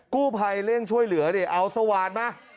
กู้ภัยเร่งช่วยเหลือดิเอาสวานมา